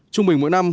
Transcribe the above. trung bình mỗi năm